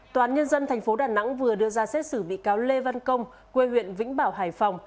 tòa án nhân dân tp đà nẵng vừa đưa ra xét xử bị cáo lê văn công quê huyện vĩnh bảo hải phòng